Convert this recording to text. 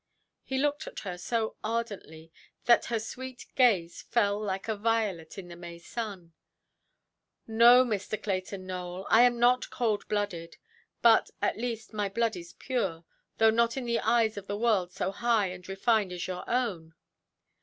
He looked at her so ardently, that her sweet gaze fell like a violet in the May sun. "No, Mr. Clayton Nowell, I am not cold–blooded; but, at least, my blood is pure, though not in the eyes of the world so high and refined as your own".